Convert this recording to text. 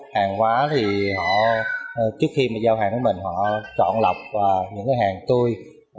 thì họ trước khi mà giao hàng với mình họ chọn lọc những cái hàng tươi